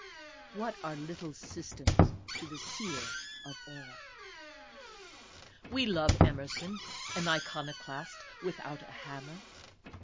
What are little systems to the Seer of All ? We love Emerson, "an iconoclast without a hammer."